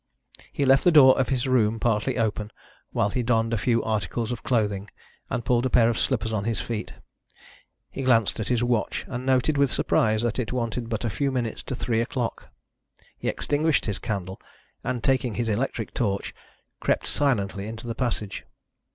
He left the door of his room partly open while he donned a few articles of clothing, and pulled a pair of slippers on his feet. He glanced at his watch, and noted with surprise that it wanted but a few minutes to three o'clock. He extinguished his candle and, taking his electric torch, crept silently into the passage.